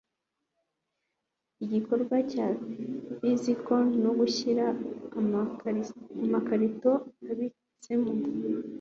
Igikorwa cya Physical no gushyira amakarito abitsemo